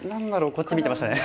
こっち見てましたね。